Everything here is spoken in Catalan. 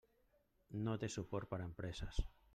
No té suport per a empreses.